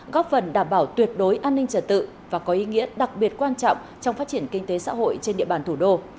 góp phần đảm bảo tuyệt đối an ninh trật tự và có ý nghĩa đặc biệt quan trọng trong phát triển kinh tế xã hội trên địa bàn thủ đô